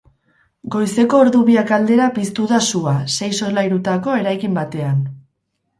Goizeko ordubiak aldera piztu da sua sei solairutako eraikin batean.